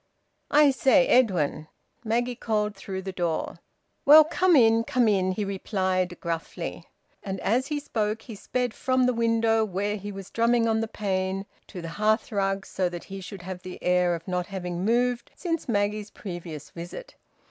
"I say, Edwin," Maggie called through the door. "Well, come in, come in," he replied gruffly. And as he spoke he sped from the window, where he was drumming on the pane, to the hearthrug, so that he should have the air of not having moved since Maggie's previous visit.